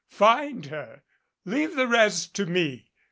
Find her: Leave the rest to me.